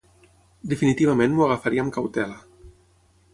Definitivament m'ho agafaria amb cautela.